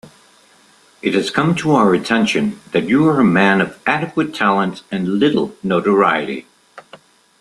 It has come to our attention that you are a man of adequate talents and little notoriety.